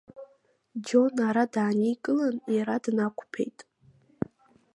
Џьон ара дааникылан, иара днақәԥеит.